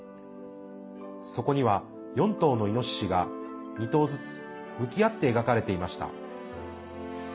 そこには４頭のイノシシが２頭ずつ向き合って描かれていました。